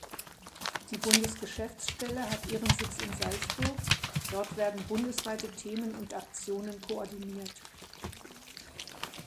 Die Bundesgeschäftsstelle hat ihren Sitz in Salzburg, dort werden bundesweite Themen und Aktionen koordiniert.